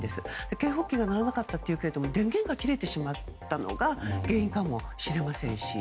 警報機が鳴らなかったというんですけど電源が切れてしまったのが原因かもしれませんし